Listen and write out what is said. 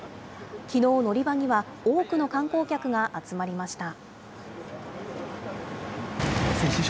きのう乗り場には、多くの観光客が集まりました。